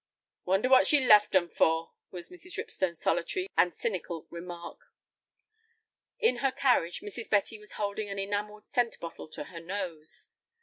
"Wonder what she's left 'em for;" such was Mrs. Ripstone's solitary and cynical remark. In her carriage Mrs. Betty was holding an enamelled scent bottle to her nose.